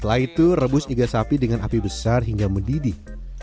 setelah itu rebus iga sapi dengan api besar hingga mendidih